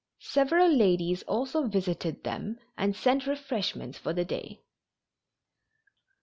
Several ladies also visited them and sent refreshments for the day.